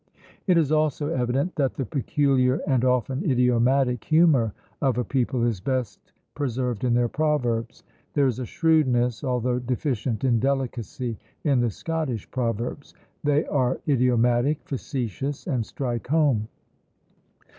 It is also evident that the peculiar, and often idiomatic, humour of a people is best preserved in their proverbs. There is a shrewdness, although deficient in delicacy, in the Scottish proverbs; they are idiomatic, facetious, and strike home.